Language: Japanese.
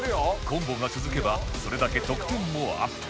コンボが続けばそれだけ得点もアップ